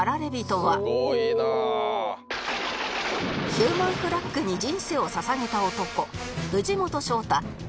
ヒューマンフラッグに人生を捧げた男